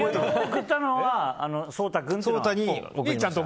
送ったのは颯太君って？